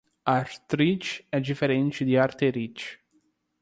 Artrite é diferente de Arterite